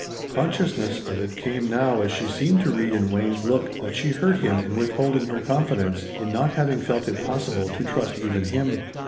Consciousness of it came now as she seemed to read in Wayne's look that she hurt him in withholding her confidence, in not having felt it possible to trust even him.